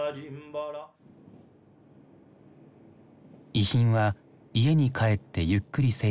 遺品は家に帰ってゆっくり整理したい。